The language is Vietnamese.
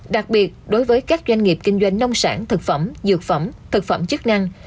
đặc biệt đối với các doanh nghiệp kinh doanh nông sản thực phẩm dược phẩm thực phẩm chức năng